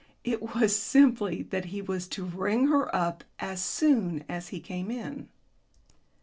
It was simply that he was to ring her up as soon as he came in.